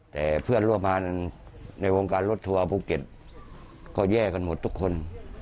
แต่เพื่อนร่วมงานในวงการรถทัวร์ภูเก็ตก็แย่กันหมดทุกคน